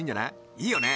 いいよね？